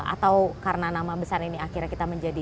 atau karena nama besar ini akhirnya kita menjadi